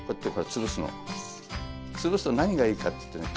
潰すと何がいいかっていうとね